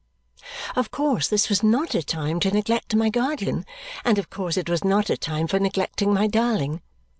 Of course this was not a time to neglect my guardian, and of course it was not a time for neglecting my darling.